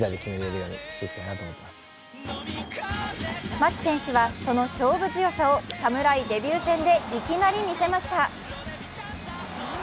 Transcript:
牧選手はその勝負強さを侍デビュー戦でいきなり見せました。